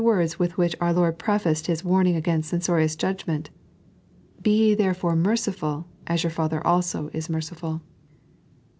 169 words with which our Lord prefaced His warning against censorious judgment: "Be ye therefore merciful, as your Father also is m^viful."